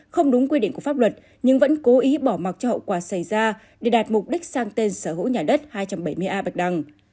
không đúng quy định của pháp luật nhưng vẫn cố ý bỏ mặc cho hậu quả xảy ra để đạt mục đích sang tên sở hữu nhà đất hai trăm bảy mươi a bạch đằng